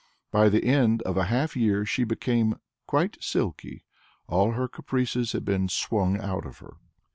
By the end of a half year she became "quite silky" all her caprices had been swung out of her.